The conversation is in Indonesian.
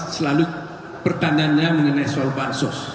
selalu pertanyaannya mengenai soal bansos